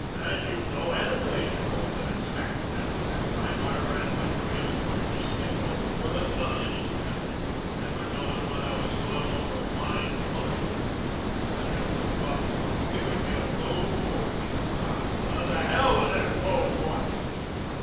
And you know, and they know, that at Sacramento that time, I ran my train according to schedule, with a gun in each hand, never knowing when I was going over a mined culvert, and there was talk of giving me a gold watch at the time. To hell with their gold watches!